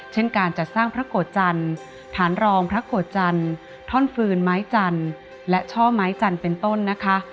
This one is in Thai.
เช่นการจัดสร้างพระโกรธจันทร์ฐานรองพระโกรธจันทร์ท่อนฟืนไม้จันทร์และช่อไม้จันทร์เป็นต้นนะคะ